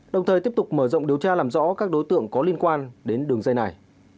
đồng thời tiếp tục mở rộng điều tra làm rõ các đối tượng có liên quan đến đường dây này